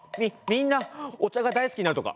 みんなおちゃがだいすきになるとか？